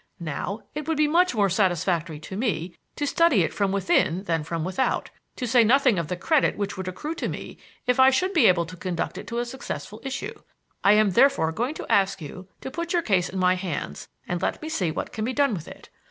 Now, it would be much more satisfactory to me to study it from within than from without, to say nothing of the credit which would accrue to me if I should be able to conduct it to a successful issue. I am therefore going to ask you to put your case in my hands and let me see what can be done with it.